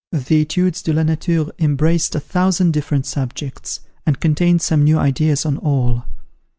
The "Etudes de la Nature" embraced a thousand different subjects, and contained some new ideas on all.